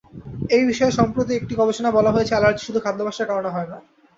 এ বিষয়ে সম্প্রতি একটি গবেষণায় বলা হয়েছে, অ্যালার্জি শুধু খাদ্যাভ্যাসের কারণে হয় না।